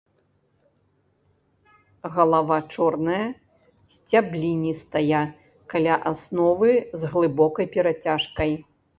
Галава чорная, сцябліністая, каля асновы з глыбокай перацяжкай.